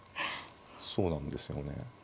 そうなんですよね。